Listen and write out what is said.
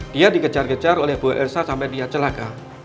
dia dikejar kejar oleh bu elsa sampai dia celaka